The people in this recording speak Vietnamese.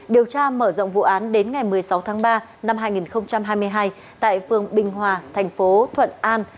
điều tra mở rộng vụ án đến ngày một mươi sáu tháng ba năm hai nghìn hai mươi hai tại phường bình hòa thành phố thuận an